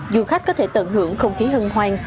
du khách có thể tận hưởng không khí hân hoang